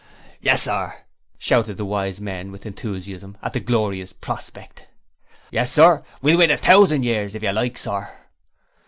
'Yes, sir,' shouted the Wise Men with enthusiasm at the glorious prospect. 'Yes, Sir: we'll wait a thousand years if you like, Sir!'